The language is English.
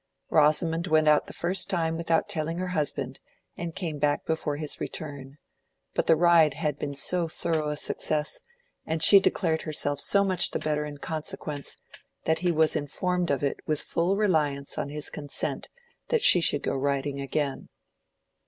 Rosamond went out the first time without telling her husband, and came back before his return; but the ride had been so thorough a success, and she declared herself so much the better in consequence, that he was informed of it with full reliance on his consent that she should go riding again.